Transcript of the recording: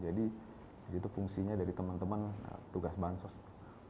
jadi itu fungsinya dari teman teman tugas bantuan sosial